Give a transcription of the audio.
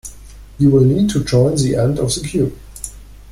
You will need to join the end of the queue.